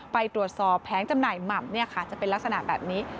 ไปตรวจสอบแผงจำหน่ายหม่ำจะเป็นลักษณะแบบนี้